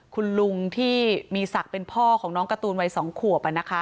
คุณลุงที่มีสักเป็นพ่อของน้องกระตูนใหญ่สองขวบ